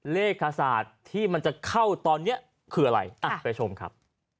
เลขขศาสตร์ที่มันจะเข้าตอนนี้คืออะไรอ่ะไปชมครับ